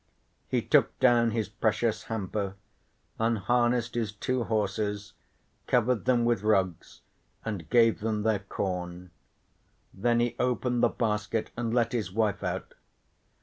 He took down his precious hamper, unharnessed his two horses, covered them with rugs and gave them their corn. Then he opened the basket and let his wife out.